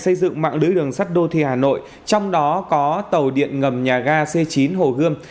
xây dựng mạng lưới đường sắt đô thị hà nội trong đó có tàu điện ngầm nhà ga c chín hồ gươm